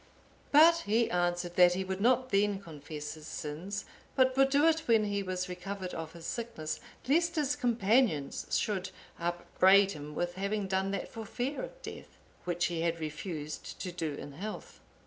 But he answered that he would not then confess his sins, but would do it when he was recovered of his sickness, lest his companions should upbraid him with having done that for fear of death, which he had refused to do in health.